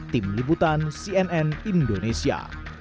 tim liputan cnn indonesia